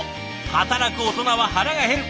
働くオトナは腹が減る！